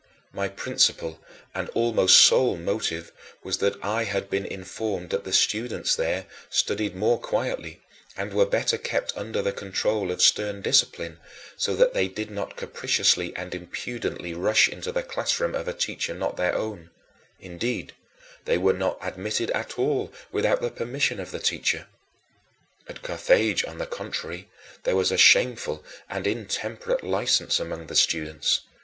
My principal and almost sole motive was that I had been informed that the students there studied more quietly and were better kept under the control of stern discipline, so that they did not capriciously and impudently rush into the classroom of a teacher not their own indeed, they were not admitted at all without the permission of the teacher. At Carthage, on the contrary, there was a shameful and intemperate license among the students.